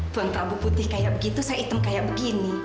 tuan tabu putih kayak begitu saya hitam kayak begini